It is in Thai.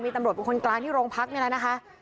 มีตัมโรธเป็นคนกราศที่โรงพักบุหรัฐพักษณะ